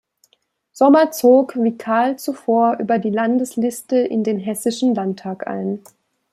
Sommer zog, wie Kahl zuvor, über die Landesliste in den Hessischen Landtag ein.